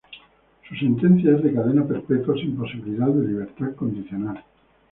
Su sentencia es de cadena perpetua sin posibilidad de libertad condicional.